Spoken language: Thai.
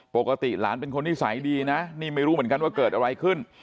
ปกติหลานเป็นคนนิสัยดีนะนี่ไม่รู้เหมือนกันว่าเกิดอะไรขึ้น